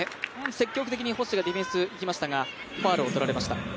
積極的に星がディフェンスいきましたがファウルをとられました。